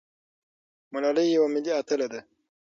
ملالۍ یوه ملي اتله ده.